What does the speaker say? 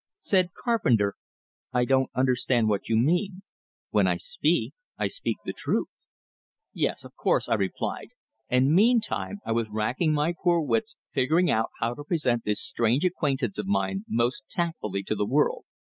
Said Carpenter: "I don't understand what you mean. When I speak, I speak the truth." "Yes, of course," I replied and meantime I was racking my poor wits figuring out how to present this strange acquaintance of mine most tactfully to the world.